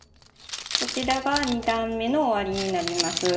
こちらが２段めの終わりになります。